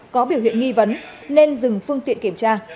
có biểu hiện nghi vấn nên dừng phương tiện kiểm tra